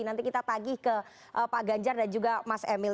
nanti kita tagih ke pak ganjar dan juga mas emil